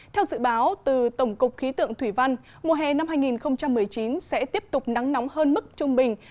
theo dự báo từ tổng cục khí tượng thủy văn mùa hè năm hai nghìn một mươi chín sẽ tiếp tục nắng nóng hơn mức trung bình